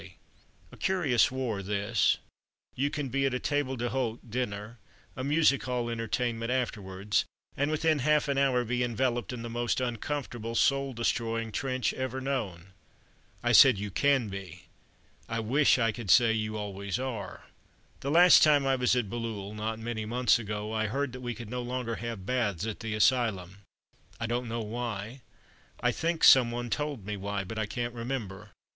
[Illustration: I hear you callin' me] A curious war this; you can be at a table d'hote dinner, a music hall entertainment afterwards, and within half an hour be enveloped in the most uncomfortable, soul destroying trench ever known. I said you can be; I wish I could say you always are. The last time I was at Bailleul, not many months ago, I heard that we could no longer have baths at the asylum; I don't know why. I think some one told me why, but I can't remember.